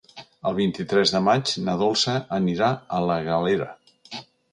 El vint-i-tres de maig na Dolça anirà a la Galera.